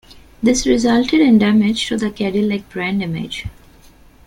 This resulted in damage to the Cadillac brand image.